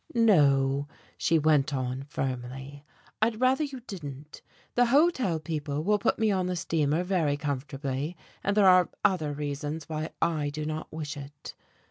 "No," she went on, firmly. "I'd rather you didn't. The hotel people will put me on the steamer very comfortably, and there are other reasons why I do not wish it."